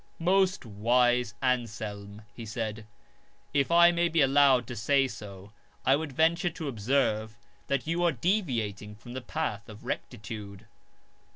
" Most wise Anselm," he said, " if I may be allowed to say so, I would venture to observe that you are deviating from the path of rectitude."